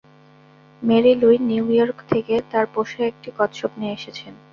Marie Louis New York থেকে তাঁর পোষা একটি কচ্ছপ নিয়ে এসেছেন।